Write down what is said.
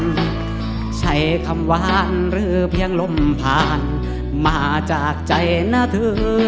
ใช้คำว่านหรือเพียงลมผ่านมาจากใจนะเธอ